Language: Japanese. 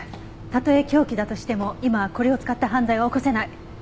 たとえ凶器だとしても今はこれを使った犯罪は起こせない。